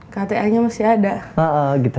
kta nya masih ada gitu